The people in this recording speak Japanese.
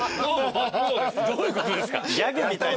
どういうことですか。